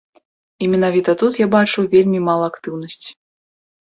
І менавіта тут я бачу вельмі мала актыўнасці.